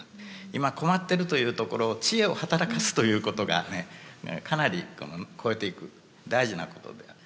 今困ってるというところを知恵を働かすということがねかなり越えていく大事なことで。